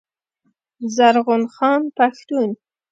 زرغون خان پښتون